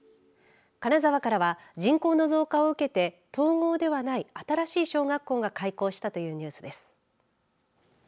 金沢からは人口の増加を受けて統合ではない新しい小学校が開校したというニュースです。